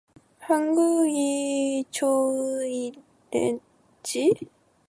한국이 처음이랬지?